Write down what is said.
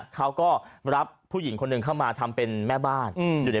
เขาก็รับผู้หญิงคนหนึ่งเข้ามาทำเป็นแม่บ้านอยู่ใน